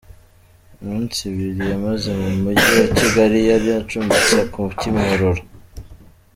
Iminsi ibiri yamaze mu Mujyi wa Kigali yari acumbitse ku Kimihurura.